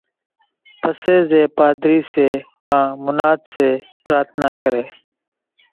پسي زين پاڌري سي ڪان مناد سي پرارٿنا ڪري